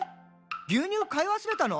牛乳買い忘れたの？」